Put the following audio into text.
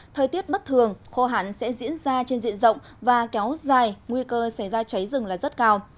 thời tiết bất thường khô hạn sẽ diễn ra trên diện rộng và kéo dài nguy cơ xảy ra cháy rừng là rất cao